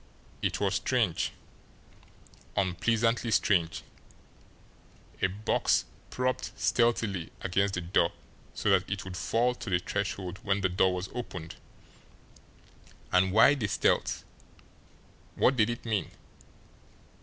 It was strange unpleasantly strange a box propped stealthily against the door so that it would fall to the threshold when the door was opened! And why the stealth? What did it mean?